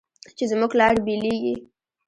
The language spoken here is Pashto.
چې زموږ لارې بېلېږي